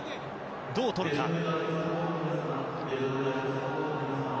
どうとるか。